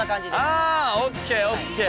あＯＫＯＫ。